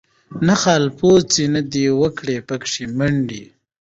نه خالپوڅي نه دي وکړې پکښی منډي